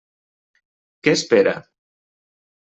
Què espera?